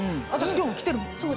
今日も着てるもん